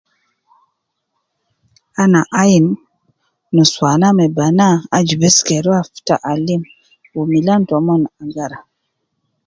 Ana ayin nuswana me banaa aju Bess ke ruwa fi taalim Wu Milan taumon agara.